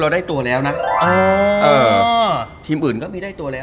เอาตัวไว้อยู่ดี